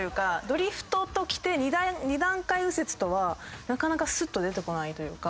「ドリフト」ときて「二段階右折」とはなかなかスッと出てこないというか。